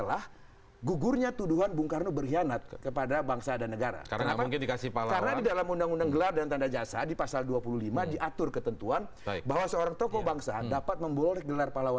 bahwa tuduhan bung karno berkhianat itu telah diralat